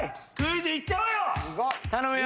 ・頼むよ。